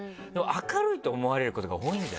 明るいって思われることが多いんじゃない？